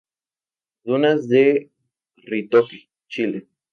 Dunas de Ritoque, Chile.